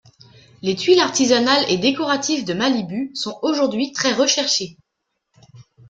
Les tuiles artisanales et décoratives de Malibu sont aujourd’hui très recherchées.